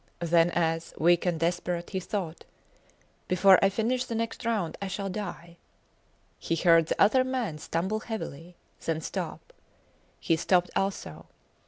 Then as, weak and desperate, he thought, Before I finish the next round I shall die, he heard the other man stumble heavily, then stop. He stopped also.